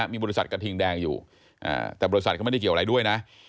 มีบริษัทกระทิงแดงอยู่แต่บริษัทก็ไม่ได้เกี่ยวอะไรด้วยนะ